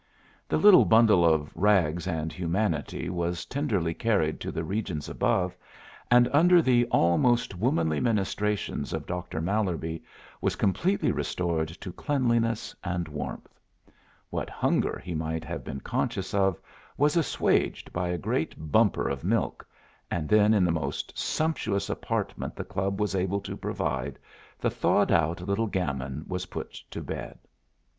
The little bundle of rags and humanity was tenderly carried to the regions above, and under the almost womanly ministrations of Doctor Mallerby was completely restored to cleanliness and warmth; what hunger he might have been conscious of was assuaged by a great bumper of milk, and then in the most sumptuous apartment the club was able to provide the thawed out little gamin was put to bed.